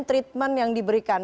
treatment yang diberikan